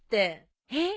えっ。